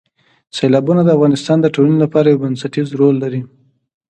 سیلابونه د افغانستان د ټولنې لپاره یو بنسټیز رول لري.